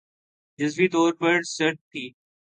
جزوی طور پر سرد تھِی